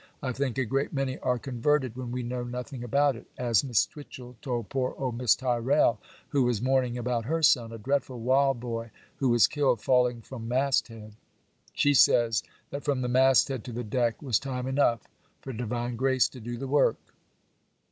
I think a great many are converted when we know nothing about it, as Miss Twitchel told poor old Miss Tyrrel, who was mourning about her son, a dreadful wild boy, who was killed falling from mast head; she says, that from the mast head to the deck was time enough for divine grace to do the work.